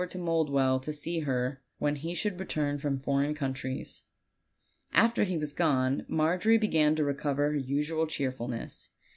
to Monldwell to see her, when he should return from foreign countries. After he was gone Margery began to recover her usual cheerfulness.